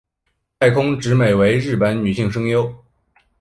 大空直美为日本女性声优。